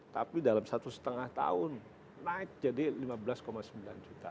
tapi dalam satu setengah tahun naik jadi lima belas sembilan juta